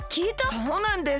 そうなんです！